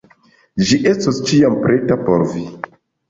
Ĝi estos ĉiam preta por vi.